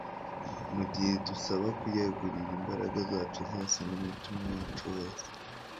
mu gihe idusaba kuyegurira imbaraga zacu zose, n'umutima wacu wose